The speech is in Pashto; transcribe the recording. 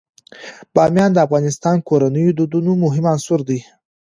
بامیان د افغان کورنیو د دودونو مهم عنصر دی.